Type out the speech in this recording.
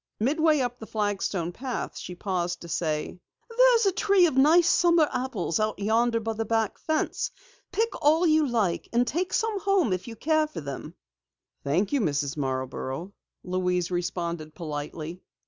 Midway up the flagstone path she paused to say: "There's a tree of nice summer apples out yonder by the back fence. Pick all you like and take some home if you care for them." "Thank you, Mrs. Marborough," Louise responded politely.